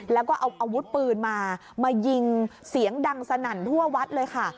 แล้วก็เอาอาวุธปืนมามายิงเสียงดังสนั่นทั่ววัดเลยค่ะ